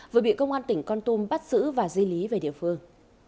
vừa bị công an tỉnh con tum bắt giữ và di lý về địa phương